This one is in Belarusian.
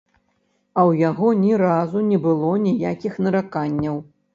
А ў яго ні разу не было ніякіх нараканняў.